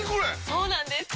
そうなんです！